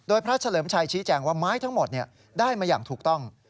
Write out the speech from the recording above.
พระเฉลิมชัยชี้แจงว่าไม้ทั้งหมดได้มาอย่างถูกต้อง